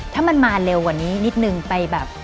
ถ้ามันมาเร็วกว่านี้นิดนึงไปแบบ